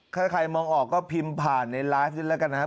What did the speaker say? ถ้าใครมองออกก็พิมพ์ผ่านในไลฟ์นี้แล้วกันนะครับ